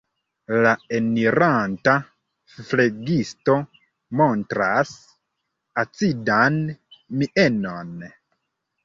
La eniranta flegisto montras acidan mienon.